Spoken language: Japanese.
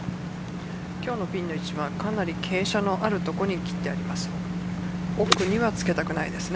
今日のピンの位置はかなり傾斜のある所に切ってあります。